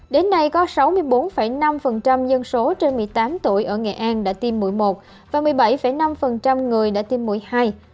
đến nay có sáu mươi bốn năm dân số trên một mươi tám tuổi ở nghệ an đã tiêm mũi một và một mươi bảy năm người đã tiêm mũi hai